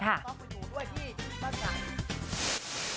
ก็อยู่ด้วยที่บ้านมัน